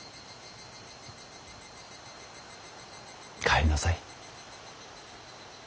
帰りなさい。